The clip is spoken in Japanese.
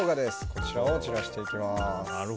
こちらを散らしていきます。